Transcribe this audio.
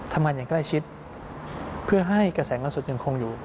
อย่างใกล้ชิดเพื่อให้กระแสล่าสุดยังคงอยู่